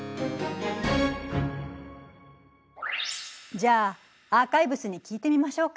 じゃあアーカイブスに聞いてみましょうか。